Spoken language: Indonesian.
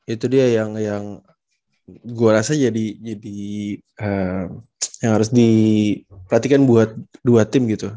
itu dia yang gue rasa jadi yang harus diperhatikan buat dua tim gitu